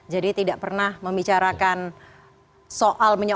jadi tidak pernah membicarakan soal menyoal